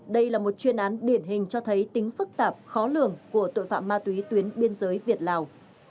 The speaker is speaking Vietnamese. đây là một chuyên án điển hình cho thấy tính phức tạp khó lường của tội phạm ma túy tuyến biên giới việt lào